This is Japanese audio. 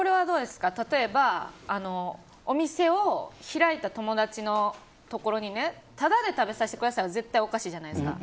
例えばお店を開いた友達のところにタダで食べさせてくださいは絶対おかしいじゃないですか。